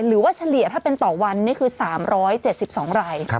หรือว่าเฉลี่ยถ้าเป็นต่อวันคือ๓๗๒ราย